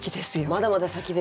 まだまだ先ですか。